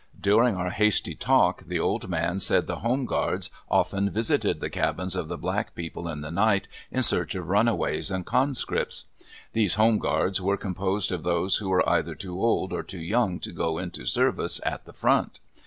During our hasty talk the old man said the Home Guards often visited the cabins of the black people in the night, in search of runaways and conscripts. These Home Guards were composed of those who were either too old or too young to go into service at the front.